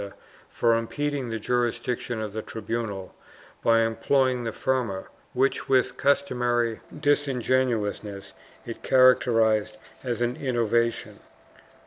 IV] CATALONIA 465 for impeding the jurisdiction of the tribunal by employing the firma, which, with customary disingenuousness, it characterized as an innovation.